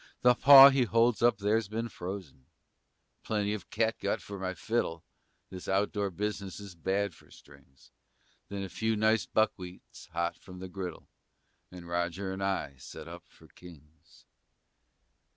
The paw he holds up there's been frozen), Plenty of catgut for my fiddle (This out door business is bad for strings), Then a few nice buckwheats hot from the griddle, And Roger and I set up for kings!